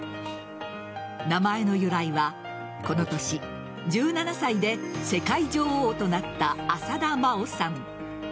名前の由来は、この年１７歳で世界女王となった浅田真央さん。